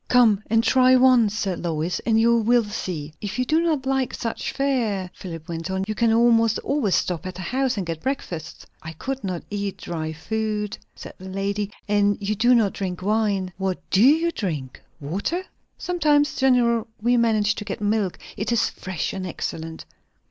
"Come and try once," said Lois, "and you will see." "If you do not like such fare," Philip went on, "you can almost always stop at a house and get breakfast." "I could not eat dry food," said the lady; "and you do not drink wine. What do you drink? Water?" "Sometimes. Generally we manage to get milk. It is fresh and excellent."